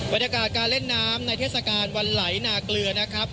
บรรยากาศการเล่นน้ำในเทศกาลวันไหลนาเกลือนะครับ